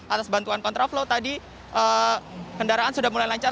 atas bantuan kontraflow tadi kendaraan sudah mulai lancar